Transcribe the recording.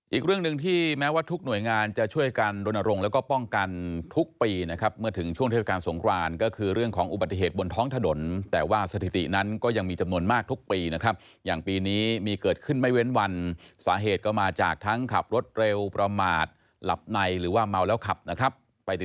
อีกเรื่องหนึ่งที่แม้ว่าทุกหน่วยงานจะช่วยกันรณรงค์แล้วก็ป้องกันทุกปีนะครับเมื่อถึงช่วงเทศกาลสงครานก็คือเรื่องของอุบัติเหตุบนท้องถนนแต่ว่าสถิตินั้นก็ยังมีจำนวนมากทุกปีนะครับอย่างปีนี้มีเกิดขึ้นไม่เว้นวันสาเหตุก็มาจากทั้งขับรถเร็วประมาทหลับในหรือว่าเมาแล้วขับนะครับไปติด